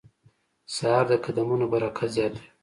سهار د قدمونو برکت زیاتوي.